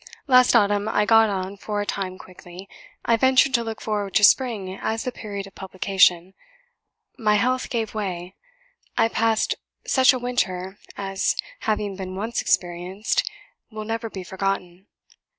"Last autumn I got on for a time quickly. I ventured to look forward to spring as the period of publication: my health gave way; I passed such a winter as, having been once experienced, will never be forgotten.